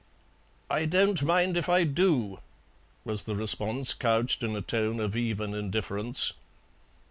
"I don't mind if I do," was the response, couched in a tone of even indifference.